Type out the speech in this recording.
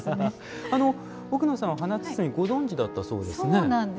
奥野さんは華包ご存じだったそうですね。